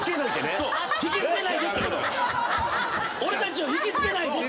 俺たちを引き付けないでってこと。